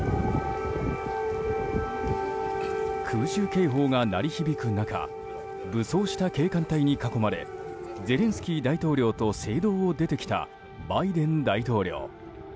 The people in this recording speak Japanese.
空襲警報が鳴り響く中武装した警官隊に囲まれゼレンスキー大統領と聖堂を出てきたバイデン大統領。